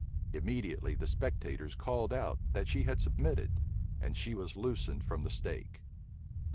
Immediately the spectators called out, that she had submitted; and she was loosened from the stake.